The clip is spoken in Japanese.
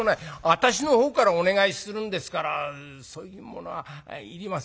私の方からお願いするんですからそういうものはいりません」。